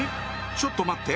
ちょっと待って！